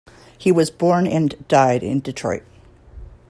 He was born and died in Detroit.